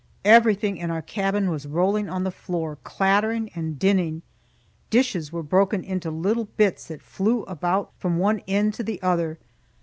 Everything in our cabin was rolling on the floor, clattering and dinning. Dishes were broken into little bits that flew about from one end to the other.